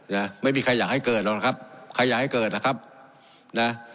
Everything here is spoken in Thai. นะไม่มีใครอยากให้เกิดหรอกนะครับใครอยากให้เกิดนะครับนะ